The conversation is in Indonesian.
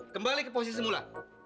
kembali ke posisi mula